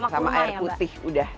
sama air putih udah